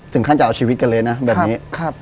ถึงขั้นจะเอาชีวิตกันเลยนะแบบนี้